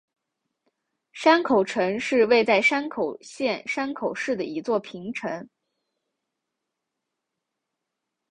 山口城是位在山口县山口市的一座平城。